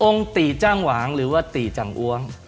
องค์ติจังหวังหรือว่าติจังอ้วง